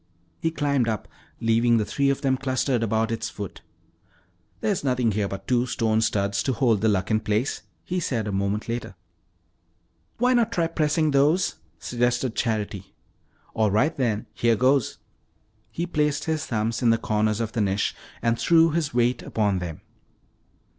He climbed up, leaving the three of them clustered about its foot. "Nothing here but two stone studs to hold the Luck in place," he said a moment later. "Why not try pressing those?" suggested Charity. "All right, here goes." He placed his thumbs in the corners of the niche and threw his weight upon them.